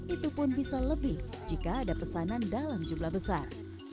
itu pun bisa lebih jika ada pesanan dalam jumlah besar